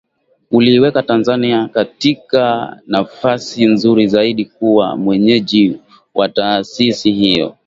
uliiweka Tanzania katika nafasi nzuri zaidi kuwa mwenyeji wa taasisi hiyo